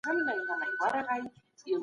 نجونې باید یو کسب زده کړي.